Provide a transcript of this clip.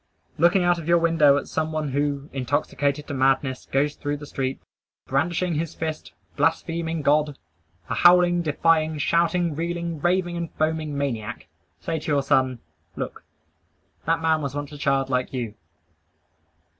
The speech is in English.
Looking out of your window at some one who, intoxicated to madness, goes through the street, brandishing his fist, blaspheming God, a howling, defying, shouting, reeling, raving and foaming maniac, say to your son, "Look; that man was once a child like you."